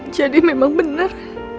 jadi memang bener